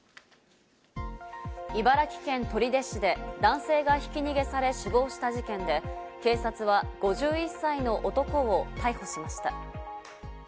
茨城県取手市で男性がひき逃げされ、死亡した事件で警察は５１歳の男を逮捕しました。